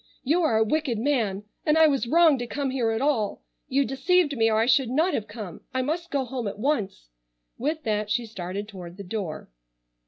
You are a wicked man and I was wrong to come here at all. You deceived me or I should not have come. I must go home at once." With that she started toward the door.